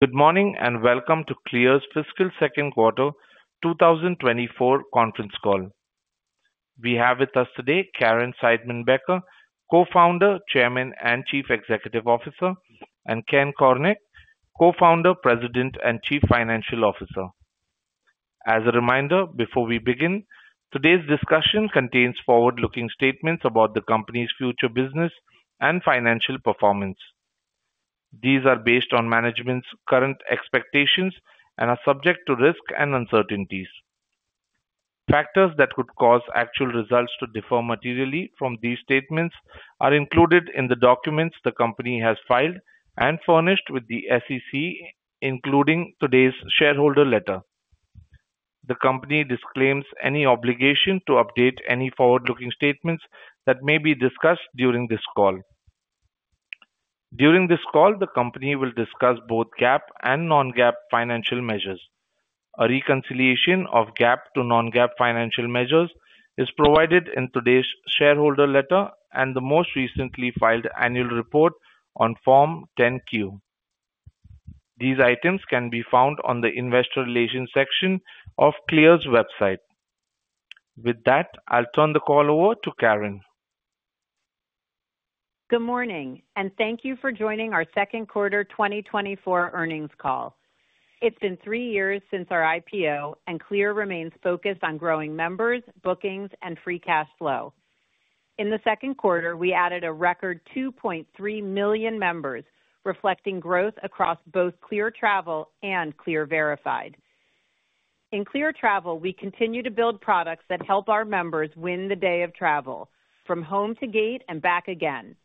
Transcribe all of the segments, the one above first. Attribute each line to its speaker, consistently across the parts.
Speaker 1: Good morning, and welcome to CLEAR's fiscal second quarter, 2024 conference call. We have with us today, Caryn Seidman-Becker, Co-founder, Chairman, and Chief Executive Officer, and Kenneth Cornick, Co-founder, President, and Chief Financial Officer. As a reminder, before we begin, today's discussion contains forward-looking statements about the company's future, business, and financial performance. These are based on management's current expectations and are subject to risk and uncertainties. Factors that could cause actual results to differ materially from these statements are included in the documents the company has filed and furnished with the SEC, including today's shareholder letter. The company disclaims any obligation to update any forward-looking statements that may be discussed during this call. During this call, the company will discuss both GAAP and non-GAAP financial measures. A reconciliation of GAAP to non-GAAP financial measures is provided in today's shareholder letter and the most recently filed annual report on Form 10-Q. These items can be found on the investor relations section of CLEAR's website. With that, I'll turn the call over to Caryn.
Speaker 2: Good morning, and thank you for joining our second quarter 2024 earnings call. It's been 3 years since our IPO, and CLEAR remains focused on growing members, bookings, and free cash flow. In the second quarter, we added a record 2.3 million members, reflecting growth across both CLEAR Travel and CLEAR Verified. In CLEAR Travel, we continue to build products that help our members win the day of travel, from Home-to-Gate and back again.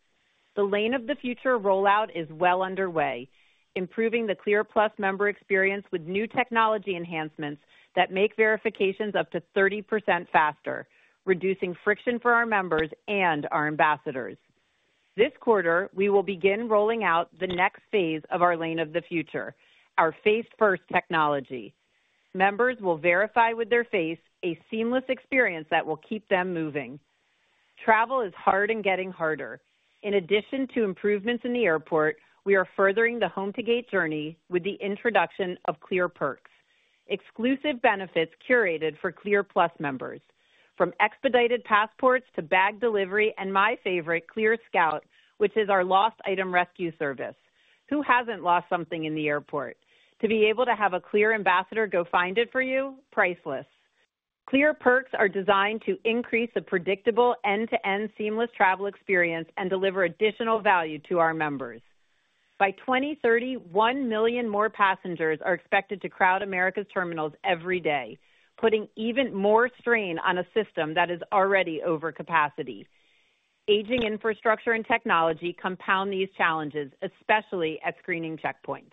Speaker 2: The Lane of the Future rollout is well underway, improving the CLEAR Plus member experience with new technology enhancements that make verifications up to 30% faster, reducing friction for our members and our ambassadors. This quarter, we will begin rolling out the next phase of our Lane of the Future, our face-first technology. Members will verify with their face a seamless experience that will keep them moving. Travel is hard and getting harder. In addition to improvements in the airport, we are furthering the Home-to-Gate journey with the introduction of CLEAR Perks, exclusive benefits curated for CLEAR Plus members, from expedited passports to bag delivery, and my favorite, CLEAR Scout, which is our lost item rescue service. Who hasn't lost something in the airport? To be able to have a CLEAR ambassador go find it for you, priceless. CLEAR Perks are designed to increase the predictable, end-to-end, seamless travel experience and deliver additional value to our members. By 2030, 1 million more passengers are expected to crowd America's terminals every day, putting even more strain on a system that is already over capacity. Aging infrastructure and technology compound these challenges, especially at screening checkpoints.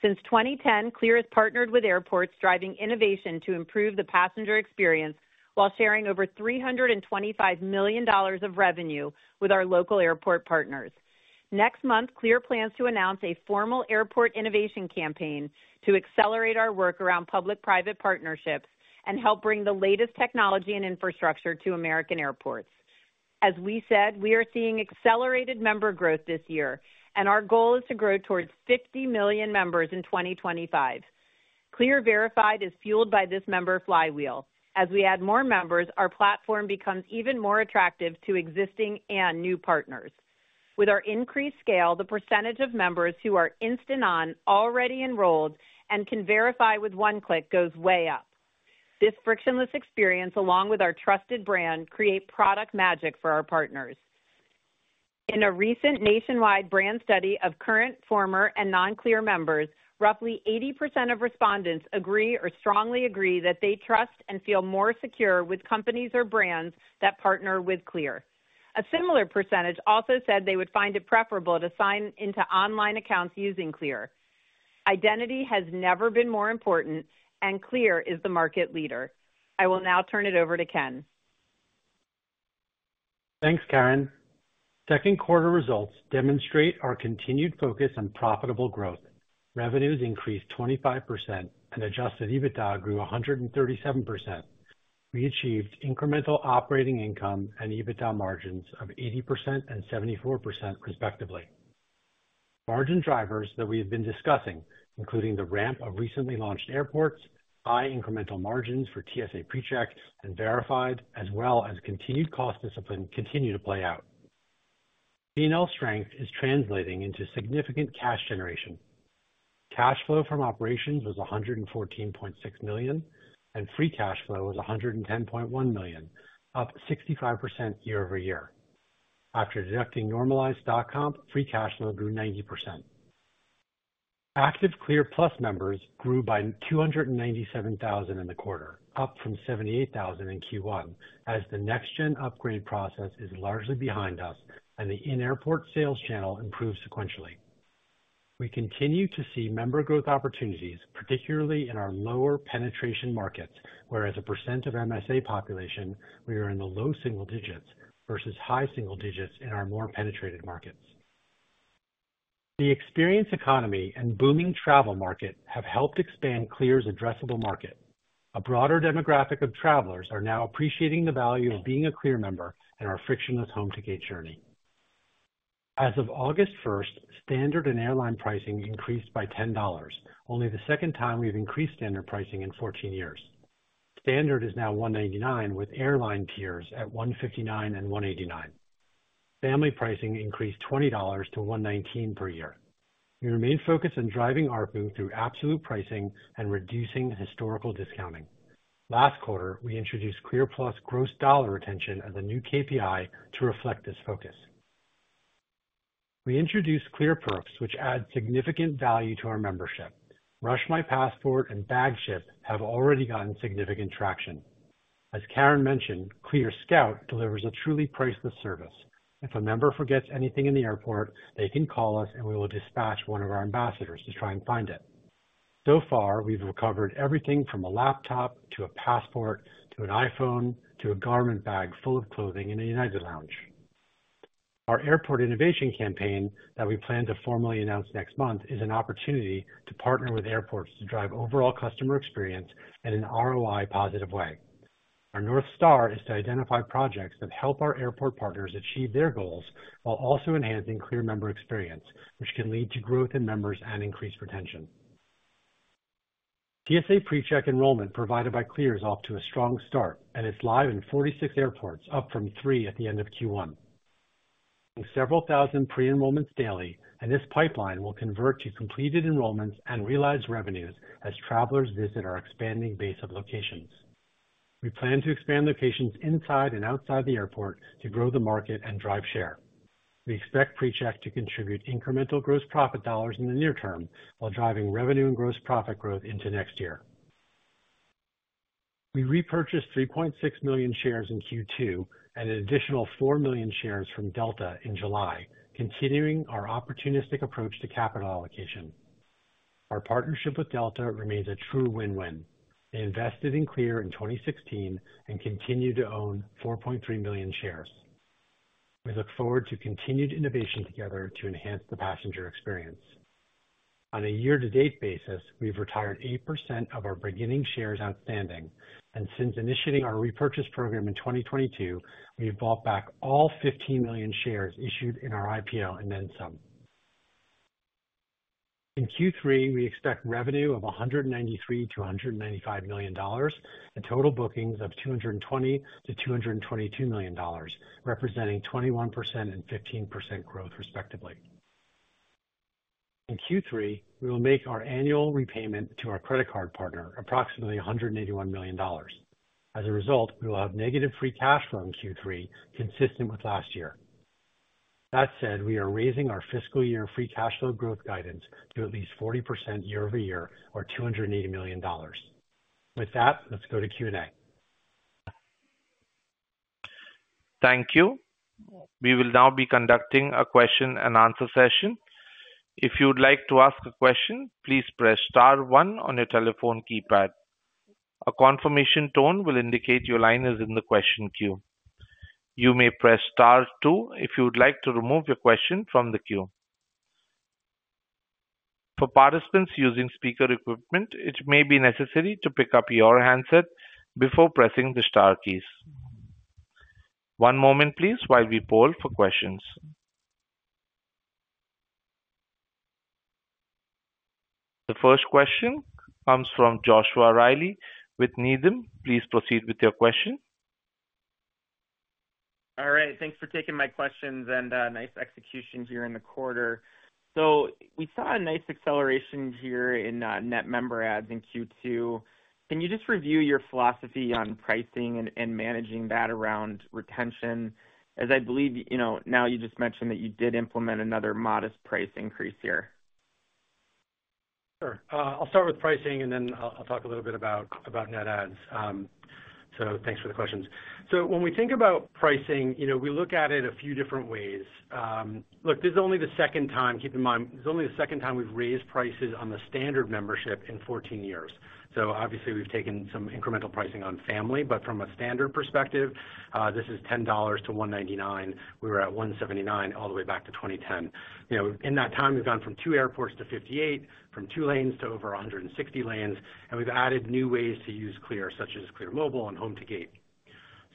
Speaker 2: Since 2010, CLEAR has partnered with airports, driving innovation to improve the passenger experience while sharing over $325 million of revenue with our local airport partners. Next month, CLEAR plans to announce a formal airport innovation campaign to accelerate our work around public-private partnerships and help bring the latest technology and infrastructure to American airports. As we said, we are seeing accelerated member growth this year, and our goal is to grow towards 50 million members in 2025. CLEAR Verified is fueled by this member flywheel. As we add more members, our platform becomes even more attractive to existing and new partners. With our increased scale, the percentage of members who are instant on, already enrolled, and can verify with one click goes way up. This frictionless experience, along with our trusted brand, create product magic for our partners. In a recent nationwide brand study of current, former, and non-CLEAR members, roughly 80% of respondents agree or strongly agree that they trust and feel more secure with companies or brands that partner with CLEAR. A similar percentage also said they would find it preferable to sign into online accounts using CLEAR. Identity has never been more important, and CLEAR is the market leader. I will now turn it over to Ken.
Speaker 3: Thanks, Caryn. Second quarter results demonstrate our continued focus on profitable growth. Revenues increased 25% and Adjusted EBITDA grew 137%. We achieved incremental operating income and EBITDA margins of 80% and 74% respectively. Margin drivers that we have been discussing, including the ramp of recently launched airports, high incremental margins for TSA PreCheck and Verified, as well as continued cost discipline, continue to play out. P&L strength is translating into significant cash generation. Cash flow from operations was $114.6 million, and free cash flow was $110.1 million, up 65% year-over-year. After deducting normalized stock comp, free cash flow grew 90%. Active CLEAR Plus members grew by 297,000 in the quarter, up from 78,000 in Q1, as the NextGen upgrade process is largely behind us and the in-airport sales channel improved sequentially. We continue to see member growth opportunities, particularly in our lower penetration markets, where as a percent of MSA population, we are in the low single digits versus high single digits in our more penetrated markets. The experience, economy, and booming travel market have helped expand CLEAR's addressable market. A broader demographic of travelers are now appreciating the value of being a CLEAR member and our frictionless Home-to-Gate journey. As of August 1, standard and airline pricing increased by $10, only the second time we've increased standard pricing in 14 years. Standard is now $199, with airline tiers at $159 and $189. Family pricing increased $20 to $119 per year. We remain focused on driving ARPU through absolute pricing and reducing historical discounting. Last quarter, we introduced CLEAR Plus gross dollar retention as a new KPI to reflect this focus. We introduced CLEAR Perks, which add significant value to our membership. RushMyPassport and bag ship have already gotten significant traction. As Caryn mentioned, CLEAR Scout delivers a truly priceless service. If a member forgets anything in the airport, they can call us, and we will dispatch one of our ambassadors to try and find it. So far, we've recovered everything from a laptop, to a passport, to an iPhone, to a garment bag full of clothing in a United lounge. Our airport innovation campaign, that we plan to formally announce next month, is an opportunity to partner with airports to drive overall customer experience in an ROI-positive way. Our North Star is to identify projects that help our airport partners achieve their goals, while also enhancing CLEAR member experience, which can lead to growth in members and increased retention. TSA PreCheck enrollment provided by CLEAR is off to a strong start, and it's live in 46 airports, up from three at the end of Q1. Several thousand pre-enrollments daily, and this pipeline will convert to completed enrollments and realized revenues as travelers visit our expanding base of locations. We plan to expand locations inside and outside the airport to grow the market and drive share. We expect PreCheck to contribute incremental gross profit dollars in the near term, while driving revenue and gross profit growth into next year. We repurchased 3.6 million shares in Q2 and an additional 4 million shares from Delta in July, continuing our opportunistic approach to capital allocation. Our partnership with Delta remains a true win-win. They invested in CLEAR in 2016 and continue to own 4.3 million shares. We look forward to continued innovation together to enhance the passenger experience. On a year-to-date basis, we've retired 8% of our beginning shares outstanding, and since initiating our repurchase program in 2022, we have bought back all 15 million shares issued in our IPO and then some. In Q3, we expect revenue of $193-$195 million, and total bookings of $220-$222 million, representing 21% and 15% growth, respectively. In Q3, we will make our annual repayment to our credit card partner, approximately $181 million. As a result, we will have negative free cash flow in Q3, consistent with last year. That said, we are raising our fiscal year free cash flow growth guidance to at least 40% year-over-year, or $280 million. With that, let's go to Q&A.
Speaker 1: Thank you. We will now be conducting a question-and-answer session. If you'd like to ask a question, please press star one on your telephone keypad. A confirmation tone will indicate your line is in the question queue. You may press star two if you would like to remove your question from the queue. For participants using speaker equipment, it may be necessary to pick up your handset before pressing the star keys. One moment please, while we poll for questions. The first question comes from Joshua Reilly with Needham. Please proceed with your question.
Speaker 4: All right, thanks for taking my questions, and, nice execution here in the quarter. So we saw a nice acceleration here in net member adds in Q2. Can you just review your philosophy on pricing and, and managing that around retention? As I believe, you know, now you just mentioned that you did implement another modest price increase here.
Speaker 3: Sure. I'll start with pricing, and then I'll talk a little bit about net adds. So thanks for the questions. So when we think about pricing, you know, we look at it a few different ways. Look, this is only the second time, keep in mind, this is only the second time we've raised prices on the standard membership in 14 years. So obviously, we've taken some incremental pricing on family, but from a standard perspective, this is $10 to $199. We were at $179 all the way back to 2010. You know, in that time, we've gone from 2 airports to 58, from 2 lanes to over 160 lanes, and we've added new ways to use CLEAR, such as CLEAR Mobile and Home-to-Gate.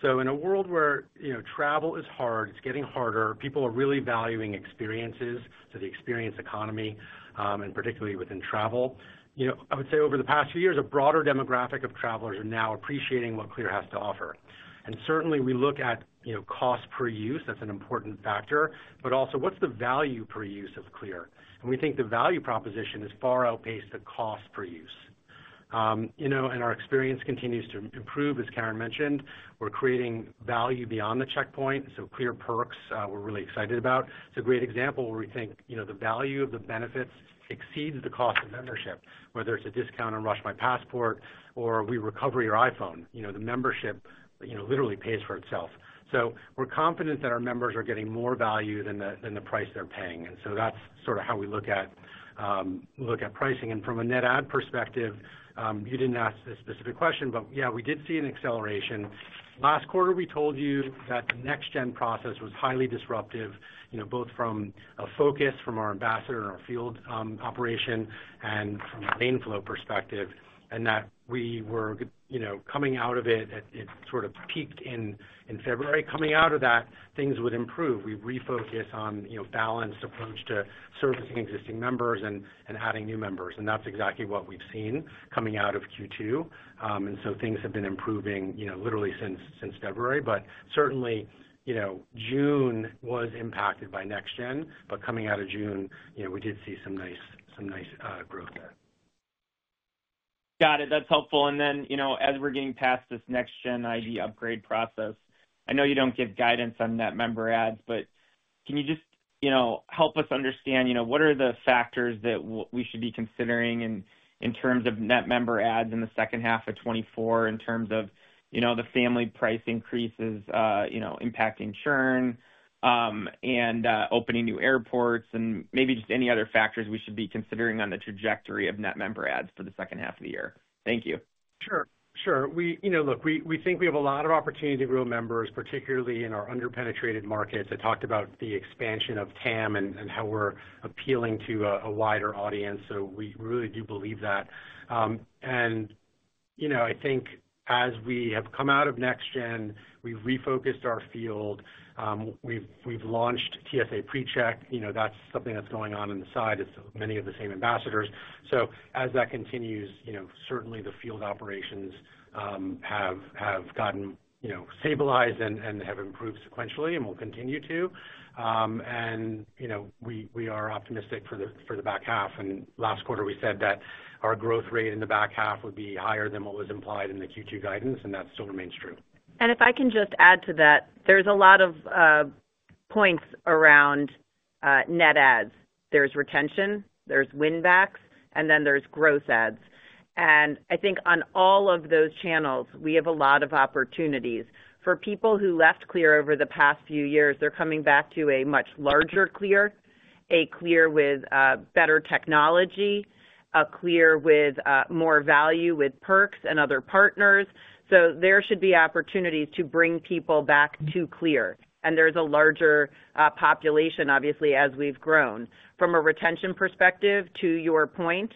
Speaker 3: So in a world where, you know, travel is hard, it's getting harder, people are really valuing experiences, so the experience economy, and particularly within travel. You know, I would say over the past few years, a broader demographic of travelers are now appreciating what CLEAR has to offer. And certainly, we look at, you know, cost per use, that's an important factor, but also, what's the value per use of CLEAR? And we think the value proposition is far outpaced the cost per use. You know, and our experience continues to improve, as Caryn mentioned. We're creating value beyond the checkpoint, so CLEAR Perks, we're really excited about. It's a great example where we think, you know, the value of the benefits exceeds the cost of membership, whether it's a discount on RushMyPassport or we recover your iPhone, you know, the membership, you know, literally pays for itself. So we're confident that our members are getting more value than the price they're paying, and so that's sort of how we look at pricing. And from a net add perspective, you didn't ask this specific question, but yeah, we did see an acceleration. Last quarter, we told you that the NextGen process was highly disruptive, you know, both from a focus from our ambassador and our field operation and from a lane flow perspective, and that we were coming out of it, it sort of peaked in February. Coming out of that, things would improve. We'd refocus on, you know, balanced approach to servicing existing members and adding new members, and that's exactly what we've seen coming out of Q2. And so things have been improving, you know, literally since February, but certainly, you know, June was impacted by NextGen, but coming out of June, you know, we did see some nice growth there.
Speaker 4: Got it. That's helpful. And then, you know, as we're getting past this NextGen ID upgrade process, I know you don't give guidance on net member ads, but can you just, you know, help us understand, you know, what are the factors that we should be considering in terms of net member ads in the second half of 2024, in terms of, you know, the family price increases, you know, impacting churn, and opening new airports, and maybe just any other factors we should be considering on the trajectory of net member ads for the second half of the year? Thank you.
Speaker 3: Sure. Sure. You know, look, we think we have a lot of opportunity to grow members, particularly in our under-penetrated markets. I talked about the expansion of TAM and how we're appealing to a wider audience, so we really do believe that. You know, I think as we have come out of NextGen, we've refocused our field. We've launched TSA PreCheck. You know, that's something that's going on on the side. It's many of the same ambassadors. So as that continues, you know, certainly the field operations have gotten, you know, stabilized and have improved sequentially and will continue to. And, you know, we are optimistic for the back half, and last quarter, we said that our growth rate in the back half would be higher than what was implied in the Q2 guidance, and that still remains true.
Speaker 2: And if I can just add to that, there's a lot of points around net adds. There's retention, there's win backs, and then there's growth adds. And I think on all of those channels, we have a lot of opportunities. For people who left CLEAR over the past few years, they're coming back to a much larger CLEAR, a CLEAR with better technology, a CLEAR with more value, with perks and other partners. So there should be opportunities to bring people back to CLEAR, and there's a larger population, obviously, as we've grown. From a retention perspective, to your point,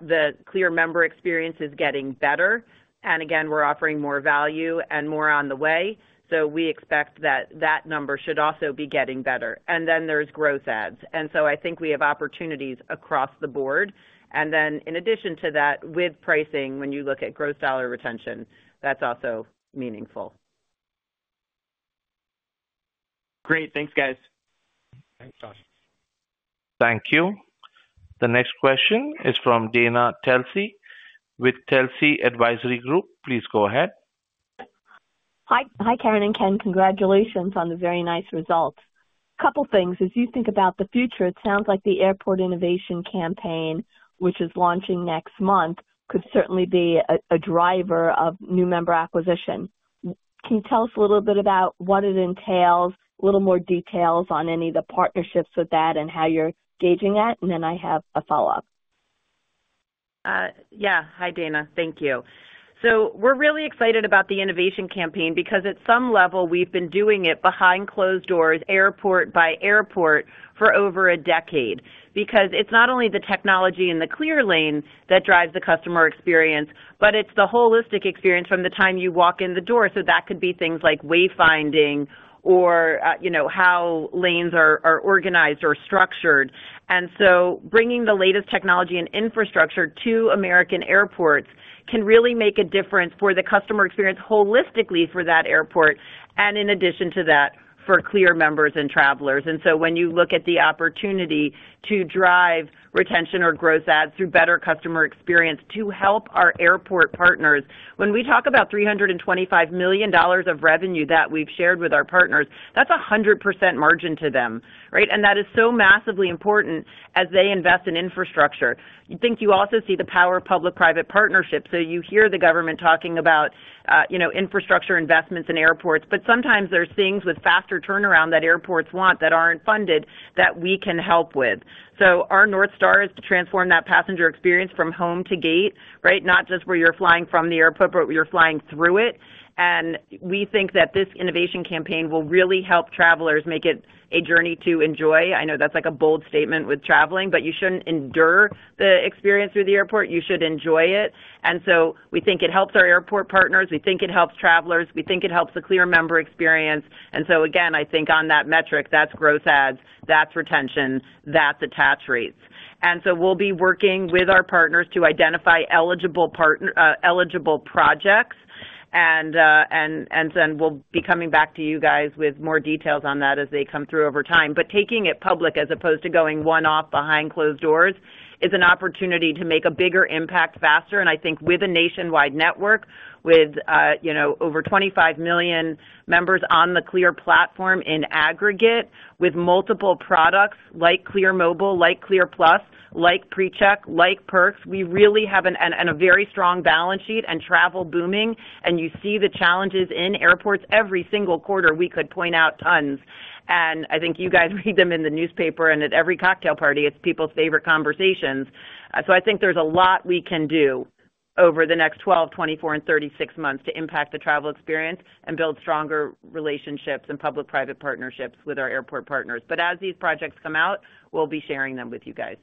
Speaker 2: the CLEAR member experience is getting better, and again, we're offering more value and more on the way. So we expect that that number should also be getting better. And then there's growth adds. And so I think we have opportunities across the board. And then in addition to that, with pricing, when you look at gross dollar retention, that's also meaningful.
Speaker 4: Great. Thanks, guys.
Speaker 3: Thanks, Josh.
Speaker 1: Thank you. The next question is from Dana Telsey with Telsey Advisory Group. Please go ahead.
Speaker 5: Hi. Hi, Caryn and Ken. Congratulations on the very nice results. Couple things. As you think about the future, it sounds like the Airport Innovation campaign, which is launching next month, could certainly be a driver of new member acquisition. Can you tell us a little bit about what it entails, a little more details on any of the partnerships with that, and how you're gauging that? And then I have a follow-up.
Speaker 2: Yeah. Hi, Dana. Thank you. So we're really excited about the innovation campaign because at some level, we've been doing it behind closed doors, airport by airport, for over a decade. Because it's not only the technology and the Clear lane that drives the customer experience, but it's the holistic experience from the time you walk in the door. So that could be things like wayfinding or, you know, how lanes are organized or structured. And so bringing the latest technology and infrastructure to American airports can really make a difference for the customer experience holistically for that airport, and in addition to that, for Clear members and travelers. And so when you look at the opportunity to drive retention or growth ads through better customer experience to help our airport partners, when we talk about $325 million of revenue that we've shared with our partners, that's 100% margin to them, right? And that is so massively important as they invest in infrastructure. I think you also see the power of public-private partnerships. So you hear the government talking about, you know, infrastructure investments in airports, but sometimes there's things with faster turnaround that airports want, that aren't funded, that we can help with. So our North Star is to transform that passenger experience from home to gate, right? Not just where you're flying from the airport, but where you're flying through it. And we think that this innovation campaign will really help travelers make it a journey to enjoy. I know that's like a bold statement with traveling, but you shouldn't endure the experience through the airport. You should enjoy it. And so we think it helps our airport partners. We think it helps travelers. We think it helps the CLEAR member experience. And so again, I think on that metric, that's growth adds, that's retention, that's attach rates. And so we'll be working with our partners to identify eligible projects, and then we'll be coming back to you guys with more details on that as they come through over time. But taking it public, as opposed to going one-off behind closed doors, is an opportunity to make a bigger impact faster. I think with a nationwide network, with, you know, over 25 million members on the CLEAR platform in aggregate, with multiple products like CLEAR Mobile, like CLEAR+, like PreCheck, like Perks, we really have a very strong balance sheet and travel booming, and you see the challenges in airports. Every single quarter, we could point out tons, and I think you guys read them in the newspaper and at every cocktail party, it's people's favorite conversations. So I think there's a lot we can do over the next 12, 24, and 36 months to impact the travel experience and build stronger relationships and public-private partnerships with our airport partners. But as these projects come out, we'll be sharing them with you guys.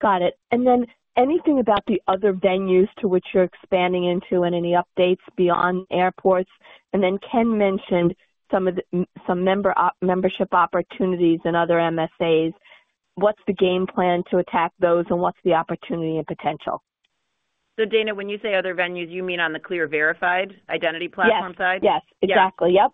Speaker 5: Got it. And then anything about the other venues to which you're expanding into and any updates beyond airports? And then Ken mentioned some of the some member membership opportunities and other MSAs. What's the game plan to attack those, and what's the opportunity and potential?
Speaker 2: So Dana, when you say other venues, you mean on the CLEAR Verified identity platform side?
Speaker 5: Yes, exactly. Yep.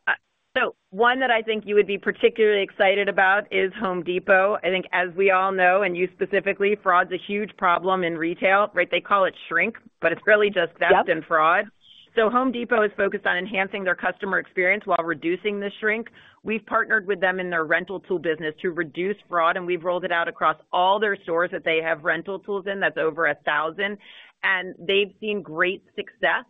Speaker 2: So one that I think you would be particularly excited about is Home Depot. I think as we all know, and you specifically, fraud's a huge problem in retail, right? They call it shrink, but it's really just-
Speaker 5: Yep
Speaker 2: -theft and fraud. So Home Depot is focused on enhancing their customer experience while reducing the shrink. We've partnered with them in their rental tool business to reduce fraud, and we've rolled it out across all their stores that they have rental tools in. That's over 1,000, and they've seen great success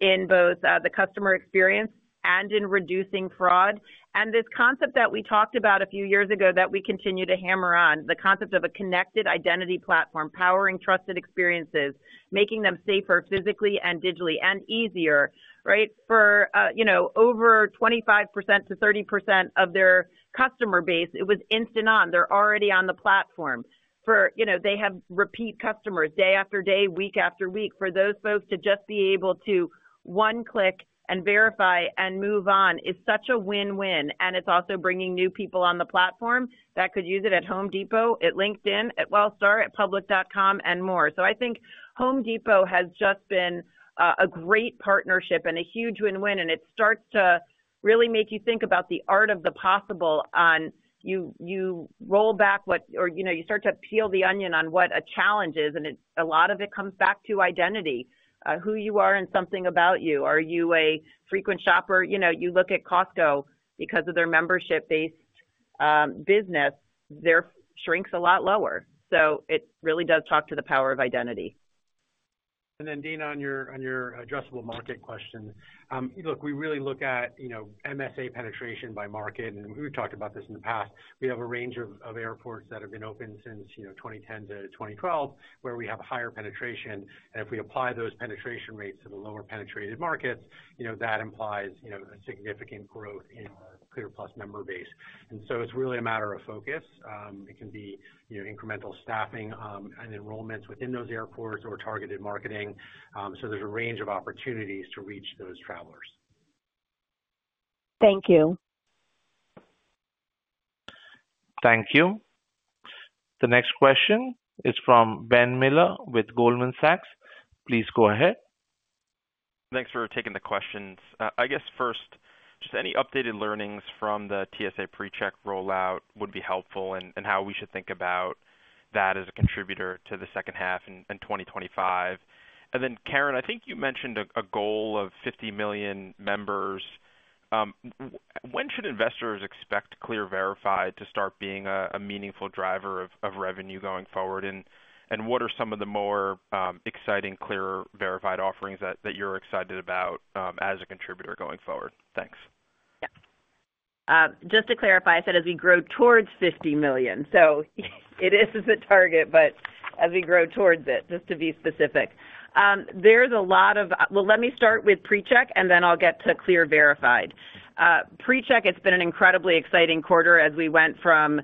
Speaker 2: in both, the customer experience and in reducing fraud. And this concept that we talked about a few years ago, that we continue to hammer on, the concept of a connected identity platform, powering trusted experiences, making them safer, physically and digitally and easier, right? For, you know, over 25%-30% of their customer base, it was instant on. They're already on the platform. For, you know, they have repeat customers day after day, week after week. For those folks to just be able to one click and verify and move on is such a win-win, and it's also bringing new people on the platform that could use it at Home Depot, at LinkedIn, at Wellstar, at Public.com and more. So I think Home Depot has just been a great partnership and a huge win-win, and it starts to really make you think about the art of the possible, or you know, you start to peel the onion on what a challenge is, and a lot of it comes back to identity, who you are and something about you. Are you a frequent shopper? You know, you look at Costco because of their membership-based business, their shrink's a lot lower. So it really does talk to the power of identity.
Speaker 3: Then, Dana, on your addressable market question. Look, we really look at, you know, MSA penetration by market, and we've talked about this in the past. We have a range of airports that have been open since, you know, 2010-2012, where we have a higher penetration. If we apply those penetration rates to the lower penetrated markets, you know, that implies, you know, a significant growth in our CLEAR Plus member base. So it's really a matter of focus. It can be, you know, incremental staffing, and enrollments within those airports or targeted marketing. So there's a range of opportunities to reach those travelers.
Speaker 5: Thank you.
Speaker 1: Thank you. The next question is from Ben Miller with Goldman Sachs. Please go ahead.
Speaker 6: Thanks for taking the questions. I guess first, just any updated learnings from the TSA PreCheck rollout would be helpful, and how we should think about that as a contributor to the second half in 2025. And then, Caryn, I think you mentioned a goal of 50 million members. When should investors expect Clear Verified to start being a meaningful driver of revenue going forward? And what are some of the more exciting Clear Verified offerings that you're excited about as a contributor going forward? Thanks.
Speaker 2: Yeah. Just to clarify, I said as we grow towards 50 million, so it is a target, but as we grow towards it, just to be specific. There's a lot of. Well, let me start with PreCheck, and then I'll get to CLEAR Verified. PreCheck, it's been an incredibly exciting quarter as we went from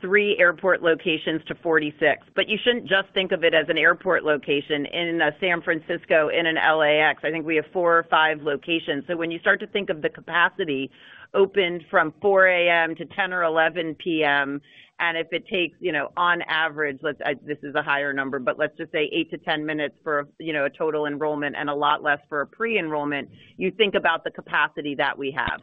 Speaker 2: three airport locations to 46. But you shouldn't just think of it as an airport location in San Francisco, in an LAX. I think we have four or five locations. So when you start to think of the capacity opened from 4 A.M. to 10 or 11 P.M., and if it takes, you know, on average, let's, this is a higher number, but let's just say 8-10 minutes for, you know, a total enrollment and a lot less for a pre-enrollment, you think about the capacity that we have.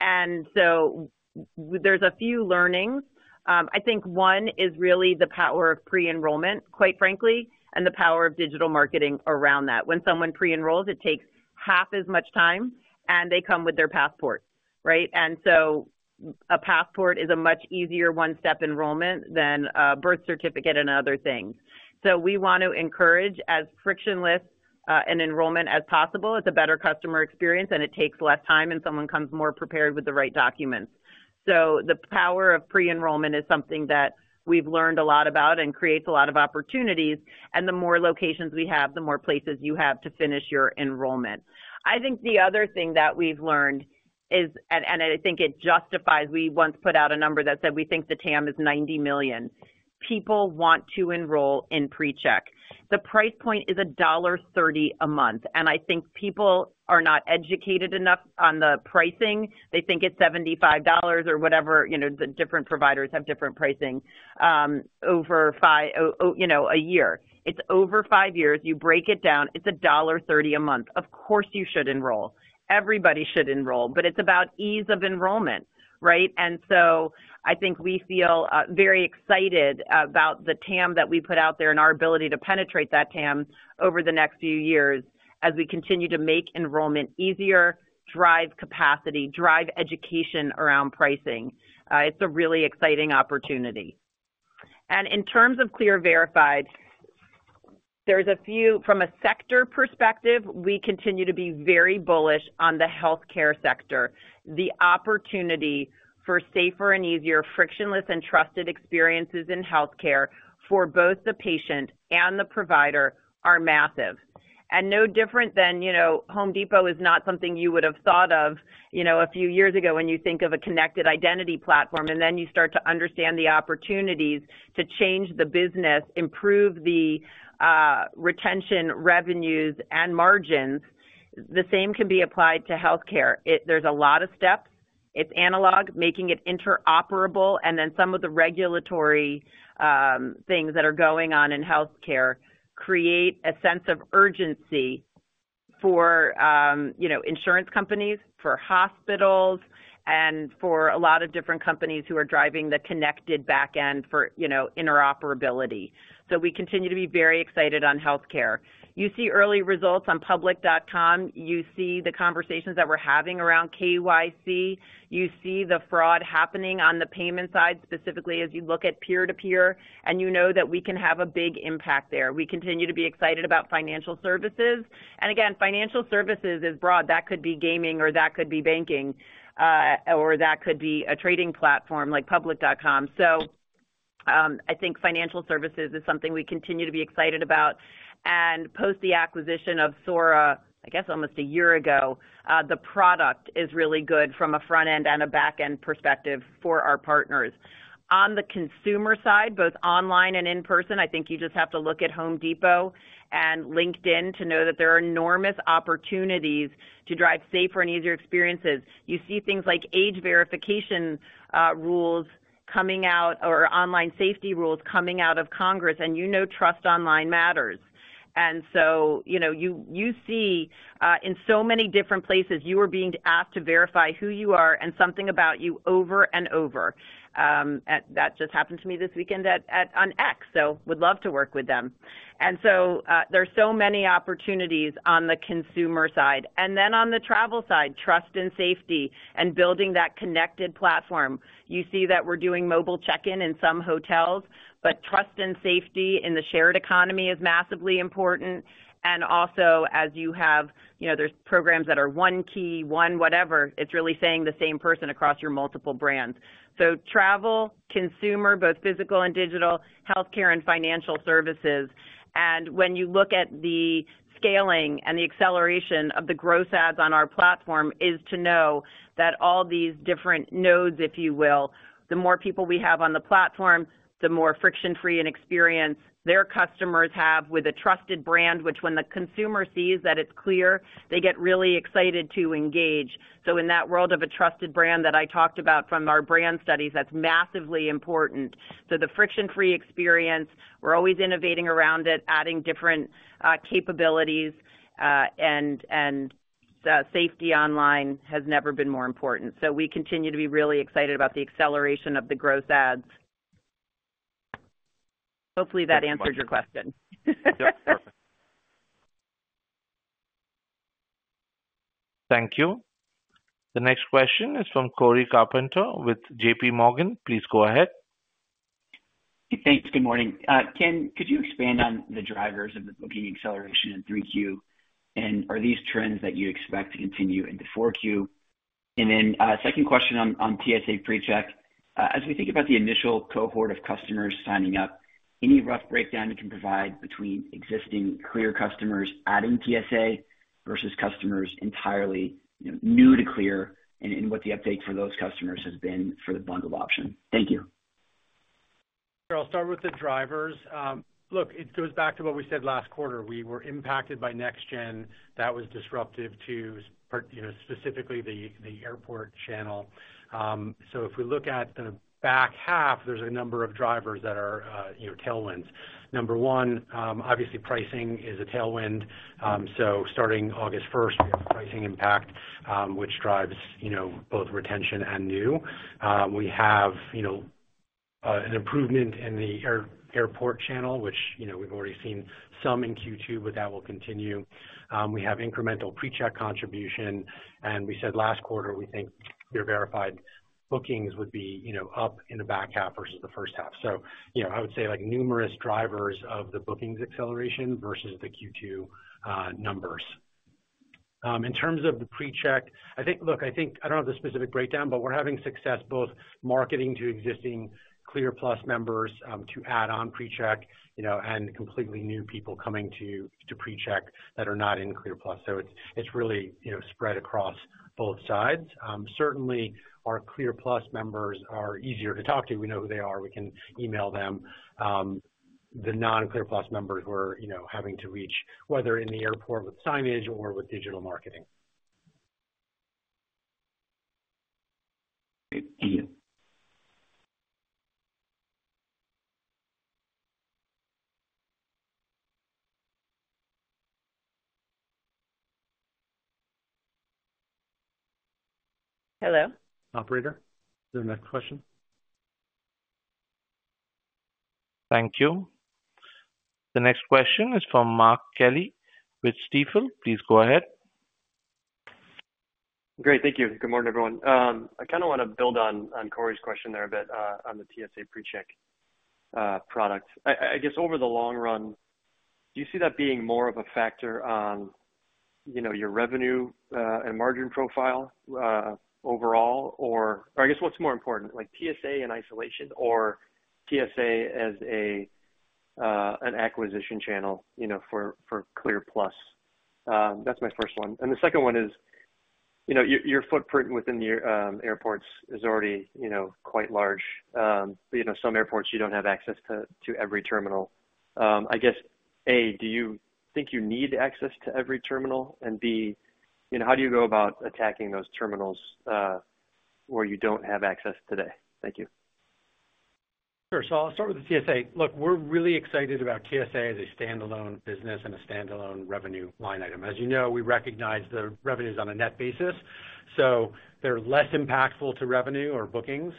Speaker 2: And so there's a few learnings. I think one is really the power of pre-enrollment, quite frankly, and the power of digital marketing around that. When someone pre-enrolls, it takes half as much time, and they come with their passport, right? And so a passport is a much easier one-step enrollment than a birth certificate and other things. So we want to encourage as frictionless, an enrollment as possible. It's a better customer experience, and it takes less time, and someone comes more prepared with the right documents. So the power of pre-enrollment is something that we've learned a lot about and creates a lot of opportunities, and the more locations we have, the more places you have to finish your enrollment. I think the other thing that we've learned is, and I think it justifies, we once put out a number that said we think the TAM is 90 million. People want to enroll in PreCheck. The price point is $1.30 a month, and I think people are not educated enough on the pricing. They think it's $75 or whatever, you know, the different providers have different pricing over five you know, a year. It's over five years. You break it down, it's $1.30 a month. Of course, you should enroll. Everybody should enroll, but it's about ease of enrollment, right? And so I think we feel very excited about the TAM that we put out there and our ability to penetrate that TAM over the next few years as we continue to make enrollment easier, drive capacity, drive education around pricing. It's a really exciting opportunity. And in terms of CLEAR Verified, from a sector perspective, we continue to be very bullish on the healthcare sector. The opportunity for safer and easier, frictionless and trusted experiences in healthcare for both the patient and the provider are massive. And no different than, you know, Home Depot is not something you would have thought of, you know, a few years ago when you think of a connected identity platform, and then you start to understand the opportunities to change the business, improve the retention, revenues, and margins. The same can be applied to healthcare. There's a lot of steps. It's analog, making it interoperable, and then some of the regulatory things that are going on in healthcare create a sense of urgency for, you know, insurance companies, for hospitals, and for a lot of different companies who are driving the connected back end for, you know, interoperability. So we continue to be very excited on healthcare. You see early results on Public.com. You see the conversations that we're having around KYC. You see the fraud happening on the payment side, specifically as you look at peer-to-peer, and you know that we can have a big impact there. We continue to be excited about financial services. And again, financial services is broad. That could be gaming, or that could be banking, or that could be a trading platform like Public.com. So, I think financial services is something we continue to be excited about. And post the acquisition of Sora, I guess almost a year ago, the product is really good from a front-end and a back-end perspective for our partners. On the consumer side, both online and in person, I think you just have to look at Home Depot and LinkedIn to know that there are enormous opportunities to drive safer and easier experiences. You see things like age verification rules coming out or online safety rules coming out of Congress, and you know, trust online matters. And so, you know, you see in so many different places, you are being asked to verify who you are and something about you over and over. And that just happened to me this weekend on X, so would love to work with them. And so, there are so many opportunities on the consumer side. And then on the travel side, trust and safety and building that connected platform. You see that we're doing mobile check-in in some hotels, but trust and safety in the shared economy is massively important. And also, as you have, you know, there's programs that are One Key, one whatever, it's really saying the same person across your multiple brands. So travel, consumer, both physical and digital, healthcare and financial services. And when you look at the scaling and the acceleration of the growth adds on our platform, is to know that all these different nodes, if you will, the more people we have on the platform, the more friction-free and experience their customers have with a trusted brand, which when the consumer sees that it's CLEAR, they get really excited to engage. So in that world of a trusted brand that I talked about from our brand studies, that's massively important. So the friction-free experience, we're always innovating around it, adding different capabilities, and safety online has never been more important. So we continue to be really excited about the acceleration of the growth adds. Hopefully, that answers your question.
Speaker 6: Yes, perfect.
Speaker 1: Thank you. The next question is from Cory Carpenter with JPMorgan. Please go ahead.
Speaker 7: Thanks. Good morning. Ken, could you expand on the drivers of the booking acceleration in 3Q, and are these trends that you expect to continue into 4Q? And then, second question on TSA PreCheck. As we think about the initial cohort of customers signing up, any rough breakdown you can provide between existing CLEAR customers adding TSA versus customers entirely, you know, new to CLEAR, and what the update for those customers has been for the bundled option? Thank you.
Speaker 3: I'll start with the drivers. Look, it goes back to what we said last quarter. We were impacted by NextGen. That was disruptive to you know, specifically the airport channel. So if we look at the back half, there's a number of drivers that are, you know, tailwinds. Number one, obviously, pricing is a tailwind. So starting August first, we have a pricing impact, which drives, you know, both retention and new. We have, you know, an improvement in the airport channel, which, you know, we've already seen some in Q2, but that will continue. We have incremental PreCheck contribution, and we said last quarter, we think your verified bookings would be, you know, up in the back half versus the first half. So, you know, I would say, like, numerous drivers of the bookings acceleration versus the Q2 numbers. In terms of the PreCheck, I think... Look, I think, I don't have the specific breakdown, but we're having success both marketing to existing CLEAR Plus members to add on PreCheck, you know, and completely new people coming to PreCheck that are not in CLEAR Plus. So it's really, you know, spread across both sides. Certainly, our CLEAR Plus members are easier to talk to. We know who they are, we can email them. The non-CLEAR Plus members we're, you know, having to reach, whether in the airport with signage or with digital marketing.
Speaker 1: Great. Ian.
Speaker 2: Hello?
Speaker 3: Operator, the next question?
Speaker 1: Thank you. The next question is from Mark Kelley with Stifel. Please go ahead.
Speaker 8: Great. Thank you. Good morning, everyone. I kinda wanna build on, on Cory's question there a bit, on the TSA PreCheck product. I guess over the long run, do you see that being more of a factor on, you know, your revenue, and margin profile, overall? Or I guess what's more important, like TSA in isolation or TSA as a, an acquisition channel, you know, for, for Clear Plus? That's my first one. And the second one is, you know, your, your footprint within the airports is already, you know, quite large. But you know, some airports you don't have access to, to every terminal. I guess, A, do you think you need access to every terminal? And B, you know, how do you go about attacking those terminals, where you don't have access today? Thank you.
Speaker 3: Sure. So I'll start with the TSA. Look, we're really excited about TSA as a standalone business and a standalone revenue line item. As you know, we recognize the revenues on a net basis, so they're less impactful to revenue or bookings.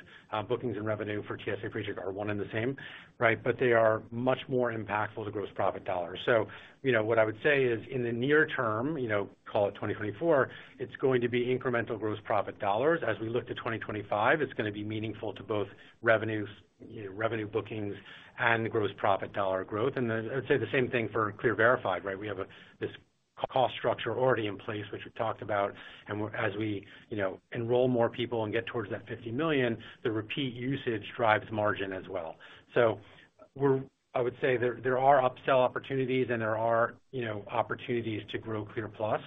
Speaker 3: Bookings and revenue for TSA PreCheck are one and the same, right? But they are much more impactful to gross profit dollars. So, you know, what I would say is, in the near term, you know, call it 2024, it's going to be incremental gross profit dollars. As we look to 2025, it's gonna be meaningful to both revenues, you know, revenue bookings and gross profit dollar growth. And then I'd say the same thing for Clear Verified, right? We have this cost structure already in place, which we talked about. We're as we, you know, enroll more people and get towards that 50 million, the repeat usage drives margin as well. I would say there, there are upsell opportunities and there are, you know, opportunities to grow CLEAR Plus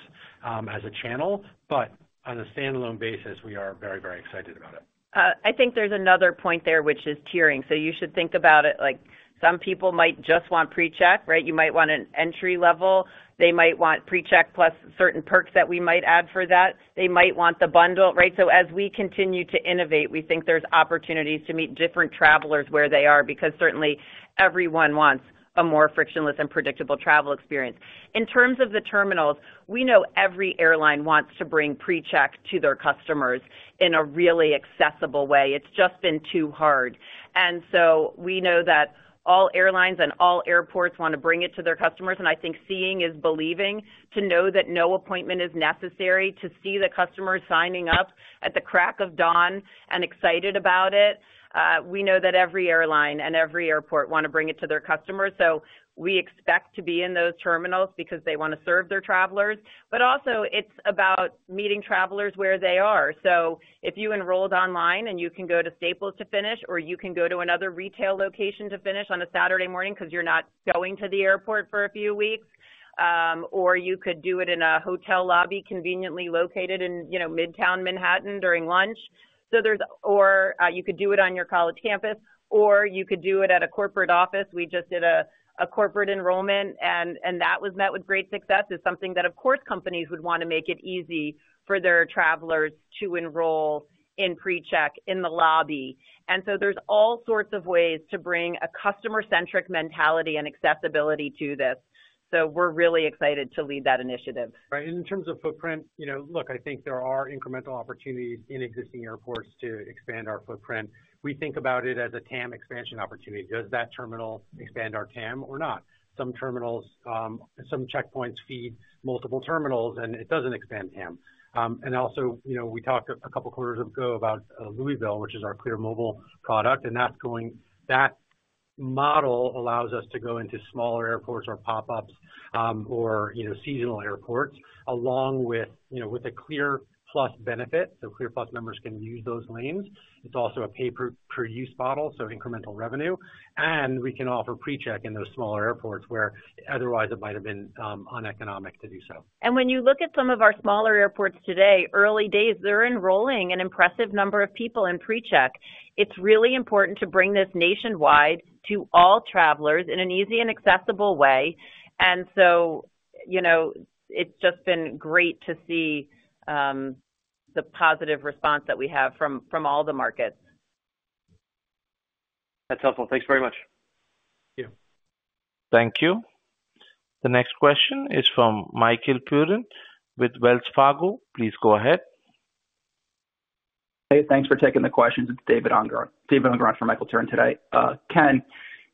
Speaker 3: as a channel, but on a standalone basis, we are very, very excited about it.
Speaker 2: I think there's another point there, which is tiering. So you should think about it like some people might just want PreCheck, right? You might want an entry level. They might want PreCheck plus certain perks that we might add for that. They might want the bundle, right? So as we continue to innovate, we think there's opportunities to meet different travelers where they are, because certainly everyone wants a more frictionless and predictable travel experience. In terms of the terminals, we know every airline wants to bring PreCheck to their customers in a really accessible way. It's just been too hard. And so we know that all airlines and all airports wanna bring it to their customers, and I think seeing is believing. To know that no appointment is necessary, to see the customers signing up at the crack of dawn and excited about it, we know that every airline and every airport wanna bring it to their customers. So we expect to be in those terminals because they wanna serve their travelers, but also it's about meeting travelers where they are. So if you enrolled online and you can go to Staples to finish, or you can go to another retail location to finish on a Saturday morning because you're not going to the airport for a few weeks, or you could do it in a hotel lobby conveniently located in, you know, Midtown Manhattan during lunch. Or, you could do it on your college campus, or you could do it at a corporate office. We just did a corporate enrollment, and that was met with great success. It's something that, of course, companies would want to make it easy for their travelers to enroll in PreCheck in the lobby. And so there's all sorts of ways to bring a customer-centric mentality and accessibility to this. So we're really excited to lead that initiative.
Speaker 3: Right. In terms of footprint, you know, look, I think there are incremental opportunities in existing airports to expand our footprint. We think about it as a TAM expansion opportunity. Does that terminal expand our TAM or not? Some terminals, some checkpoints feed multiple terminals, and it doesn't expand TAM. And also, you know, we talked a couple of quarters ago about Louisville, which is our CLEAR Mobile product, and that model allows us to go into smaller airports or pop-ups, or, you know, seasonal airports, along with, you know, with a CLEAR+ benefit, so CLEAR+ members can use those lanes. It's also a pay per use model, so incremental revenue. And we can offer PreCheck in those smaller airports, where otherwise it might have been uneconomic to do so.
Speaker 2: When you look at some of our smaller airports today, early days, they're enrolling an impressive number of people in PreCheck. It's really important to bring this nationwide to all travelers in an easy and accessible way. So, you know, it's just been great to see the positive response that we have from all the markets.
Speaker 3: That's helpful. Thanks very much. Thank you.
Speaker 1: Thank you. The next question is from Michael Turrin with Wells Fargo. Please go ahead.
Speaker 9: Hey, thanks for taking the questions. It's David Unger - David Unger from Michael Turrin today. Ken,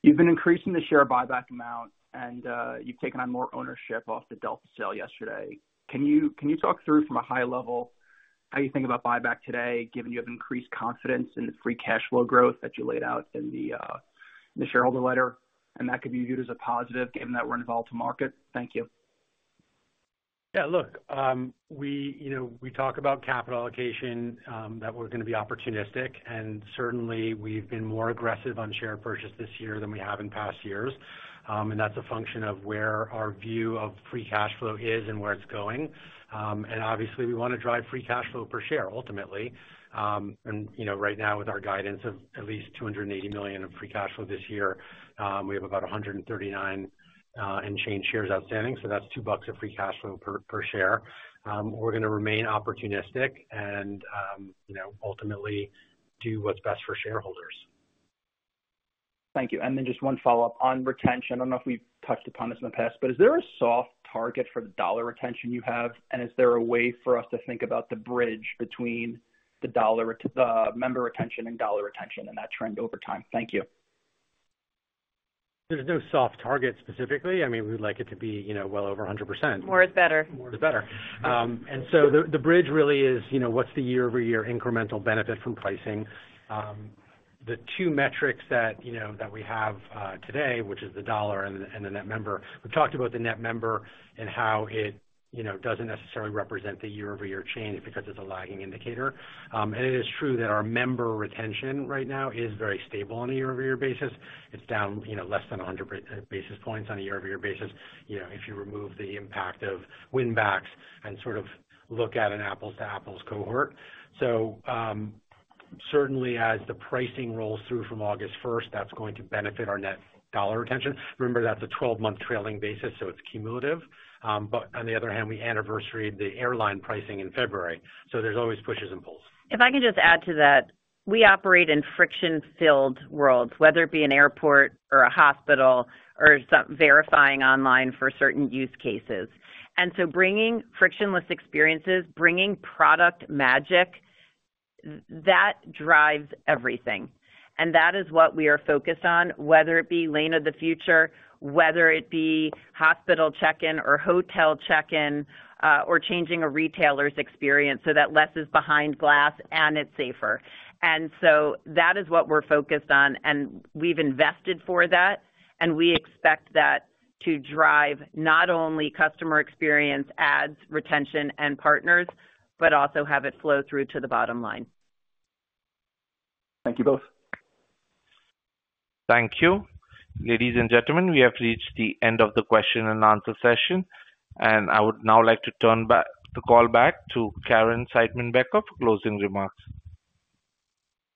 Speaker 9: you've been increasing the share buyback amount, and you've taken on more ownership off the Delta sale yesterday. Can you talk through from a high level how you think about buyback today, given you have increased confidence in the free cash flow growth that you laid out in the shareholder letter? That could be viewed as a positive, given that we're involved to market. Thank you.
Speaker 3: Yeah, look, we, you know, we talk about capital allocation, that we're gonna be opportunistic, and certainly, we've been more aggressive on share purchase this year than we have in past years. And that's a function of where our view of free cash flow is and where it's going. And obviously, we wanna drive free cash flow per share, ultimately. And, you know, right now, with our guidance of at least $280 million in free cash flow this year, we have about 139 and change shares outstanding, so that's $2 of free cash flow per share. We're gonna remain opportunistic and, you know, ultimately do what's best for shareholders.
Speaker 9: Thank you. And then just one follow-up on retention. I don't know if we've touched upon this in the past, but is there a soft target for the dollar retention you have? And is there a way for us to think about the bridge between the member retention and dollar retention and that trend over time? Thank you.
Speaker 3: There's no soft target specifically. I mean, we'd like it to be, you know, well over 100%.
Speaker 2: More is better.
Speaker 3: More is better. And so the bridge really is, you know, what's the year-over-year incremental benefit from pricing? The two metrics that, you know, that we have today, which is the dollar and the net member. We've talked about the net member and how it, you know, doesn't necessarily represent the year-over-year change because it's a lagging indicator. And it is true that our member retention right now is very stable on a year-over-year basis. It's down, you know, less than 100 basis points on a year-over-year basis, you know, if you remove the impact of win backs and sort of look at an apples-to-apples cohort. So, certainly, as the pricing rolls through from August first, that's going to benefit our net dollar retention. Remember, that's a 12-month trailing basis, so it's cumulative. On the other hand, we anniversary the airline pricing in February, so there's always pushes and pulls.
Speaker 2: If I can just add to that, we operate in friction-filled worlds, whether it be an airport or a hospital or some verifying online for certain use cases. And so bringing frictionless experiences, bringing product magic, that drives everything. And that is what we are focused on, whether it be Lane of the Future, whether it be hospital check-in or hotel check-in, or changing a retailer's experience so that less is behind glass and it's safer. And so that is what we're focused on, and we've invested for that, and we expect that to drive not only customer experience, ads, retention, and partners, but also have it flow through to the bottom line.
Speaker 9: Thank you both.
Speaker 1: Thank you. Ladies and gentlemen, we have reached the end of the question and answer session, and I would now like to turn the call back to Caryn Seidman-Becker for closing remarks.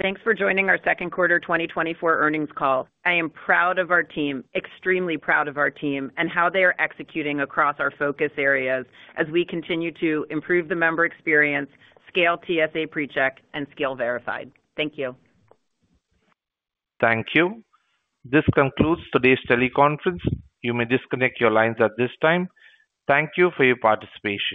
Speaker 2: Thanks for joining our second quarter 2024 earnings call. I am proud of our team, extremely proud of our team, and how they are executing across our focus areas as we continue to improve the member experience, scale TSA PreCheck, and scale Verified. Thank you.
Speaker 1: Thank you. This concludes today's teleconference. You may disconnect your lines at this time. Thank you for your participation.